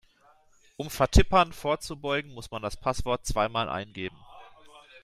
Um Vertippern vorzubeugen, muss man das Passwort zweimal eingeben.